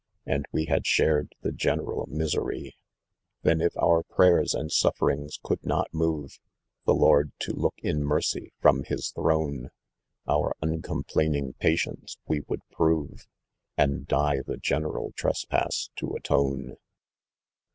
And we had shared the general miser;' 12 "Then if our prayers and sufferings could not more The Lord to look in merey from hi3 throne, Our uncomplaining patience we would prove. And die the general trespass to atone.